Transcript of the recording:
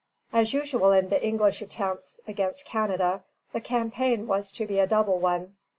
_] As usual in the English attempts against Canada, the campaign was to be a double one.